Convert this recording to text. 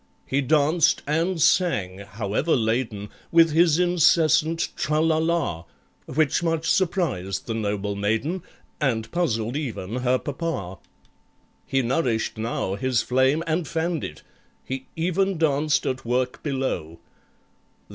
He danced and sang (however laden) With his incessant "Tra! la! la!" Which much surprised the noble maiden, And puzzled even her Papa. He nourished now his flame and fanned it, He even danced at work below.